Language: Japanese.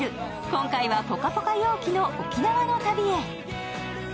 今回はぽかぽか陽気の沖縄の旅へ。